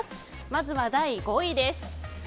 まずは第５位です。